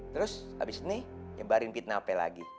terus abis ini nyebarin pitnape lagi